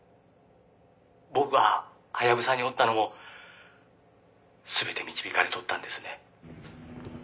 「僕がハヤブサにおったのも全て導かれとったんですね」